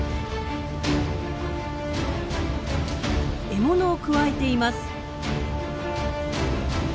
獲物をくわえています。